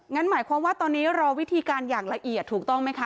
หมายความว่าตอนนี้รอวิธีการอย่างละเอียดถูกต้องไหมคะ